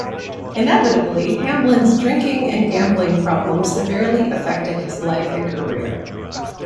Inevitably, Hamblen's drinking and gambling problems severely affected his life and career.